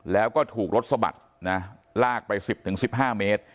แล้วก็ถูกรถสะบัดนะลากไปสิบถึงสิบห้าเมตร